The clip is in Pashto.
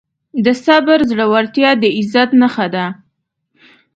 د صبر زړورتیا د عزت نښه ده.